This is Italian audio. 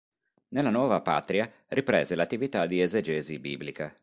Nella nuova patria riprese l'attività di esegesi biblica.